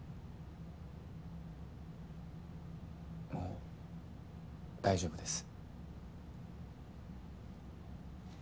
もう大丈夫です。